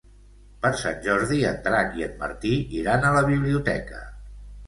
Per Sant Jordi en Drac i en Martí iran a la biblioteca.